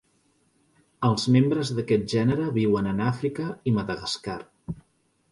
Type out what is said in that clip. Els membres d'aquest gènere viuen en Àfrica i Madagascar.